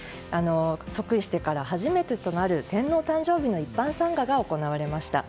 即位してから初めてとなる天皇誕生日の一般参賀が行われました。